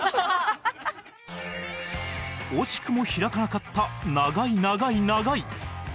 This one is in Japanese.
惜しくも開かなかった「長い長い長い」